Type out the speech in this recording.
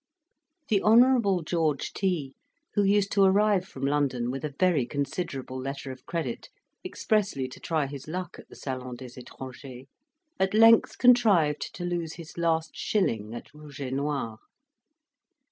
The Hon. George T , who used to arrive from London with a very considerable letter of credit expressly to try his luck at the Salon des Etrangers, at length contrived to lose his last shilling at rouge et noir.